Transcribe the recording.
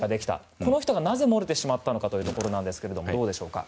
この人がなぜ漏れてしまったのかというところですがどうでしょうか。